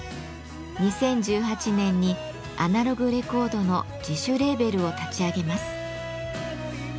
２０１８年にアナログレコードの自主レーベルを立ち上げます。